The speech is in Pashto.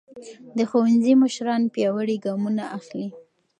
د ښوونځي مشران پیاوړي ګامونه اخلي.